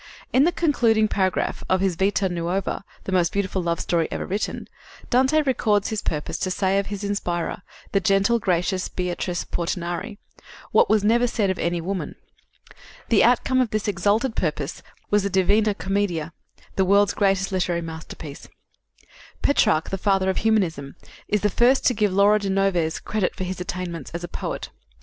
In the concluding paragraph of his Vita Nuova the most beautiful love story ever written Dante records his purpose to say of his inspirer, the gentle, gracious Beatrice Portinari, "what was never said of any woman." The outcome of this exalted purpose was the Divina Commedia, the world's greatest literary masterpiece. Petrarch, the father of humanism, is the first to give Laura de Noves credit for his attainments as a poet.